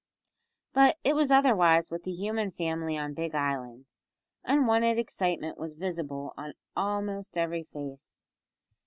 But it was otherwise with the human family on Big Island. Unwonted excitement was visible on almost every face.